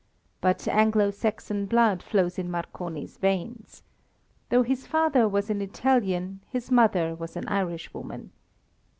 But Anglo Saxon blood flows in Marconi's veins. Though his father was an Italian, his mother was an Irishwoman.